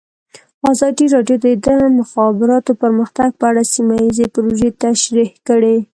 ازادي راډیو د د مخابراتو پرمختګ په اړه سیمه ییزې پروژې تشریح کړې.